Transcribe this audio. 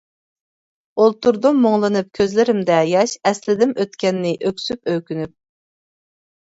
ئولتۇردۇم مۇڭلىنىپ كۆزلىرىمدە ياش، ئەسلىدىم ئۆتكەننى ئۆكسۈپ، ئۆكۈنۈپ.